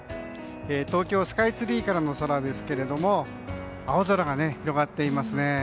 東京スカイツリーからの空ですが青空が広がっていますね。